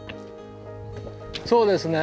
そうですね。